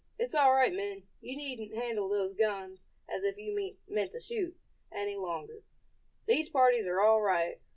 It's all right, men, you needn't handle those guns as if you meant to shoot, any longer. These parties are all right.